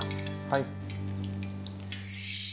はい。